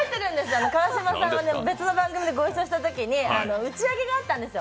私、川島さんと別の番組でご一緒したときに打ち上げがあったんですよ。